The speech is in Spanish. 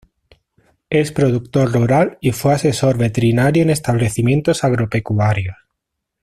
Es productor rural y fue asesor veterinario en establecimientos agropecuarios.